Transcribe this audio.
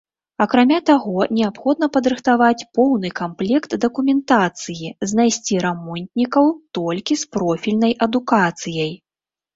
Акрамя таго, неабходна падрыхтаваць поўны камплект дакументацыі, знайсці рамонтнікаў толькі з профільнай адукацыяй.